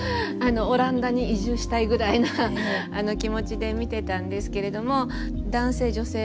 オランダに移住したいぐらいな気持ちで見てたんですけれども男性女性